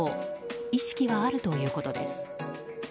意識はあるということです。